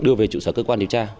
đưa về trụ sở cơ quan điều tra